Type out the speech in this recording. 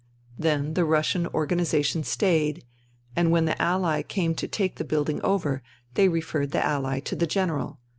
Then the Russian organization stayed, and when the Ally came to take the building over they referred the Ally to the General.